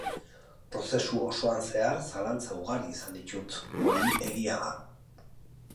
Prozesu osoan zehar zalantza ugari izan ditut, hori egia da.